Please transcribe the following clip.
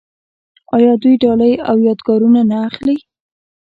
آیا دوی ډالۍ او یادګارونه نه اخلي؟